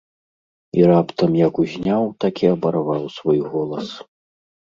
І раптам як узняў, так і абарваў свой голас.